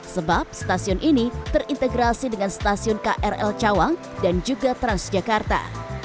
sebab stasiun ini terintegrasi dengan stasiun krl cawang dan juga transjakarta